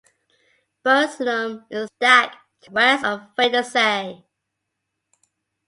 Biruaslum is a stack to the west of Vatersay.